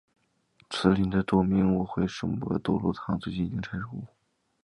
毗邻的多明我会圣伯多禄堂最近已经拆除。